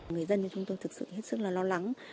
người dân như chúng tôi thực sự hết sức là lo lắng